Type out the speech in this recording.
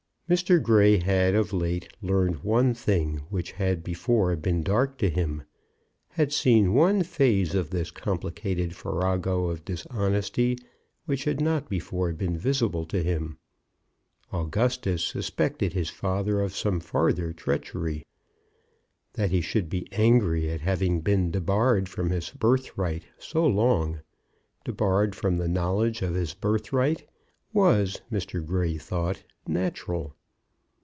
Mr. Grey had of late learned one thing which had before been dark to him, had seen one phase of this complicated farrago of dishonesty which had not before been visible to him. Augustus suspected his father of some farther treachery. That he should be angry at having been debarred from his birthright so long, debarred from the knowledge of his birthright, was, Mr. Grey thought, natural.